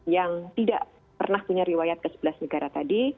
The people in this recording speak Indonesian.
yang tidak pernah punya riwayat ke sebelas negara tadi